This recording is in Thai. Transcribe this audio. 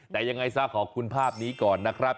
แต่ยังไงซะขอบคุณภาพนี้ก่อนนะครับ